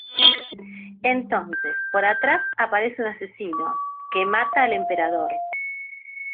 Entonces por atrás aparece un asesino, que mata al emperador.